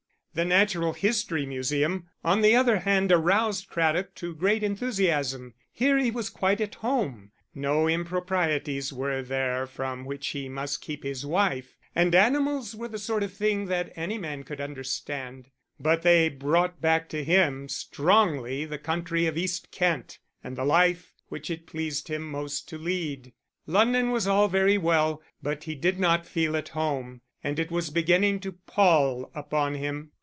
The Natural History Museum, on the other hand, aroused Craddock to great enthusiasm. Here he was quite at home; no improprieties were there from which he must keep his wife, and animals were the sort of things that any man could understand. But they brought back to him strongly the country of East Kent and the life which it pleased him most to lead. London was all very well, but he did not feel at home, and it was beginning to pall upon him.